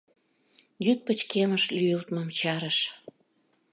Йӱд пычкемыш лӱйылтмым чарыш.